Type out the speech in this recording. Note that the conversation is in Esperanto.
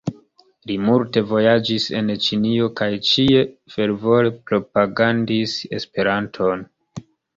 Li multe vojaĝis en Ĉinio kaj ĉie fervore propagandis Esperanton.